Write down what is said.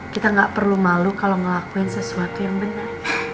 kita gak perlu malu kalau ngelakuin sesuatu yang benar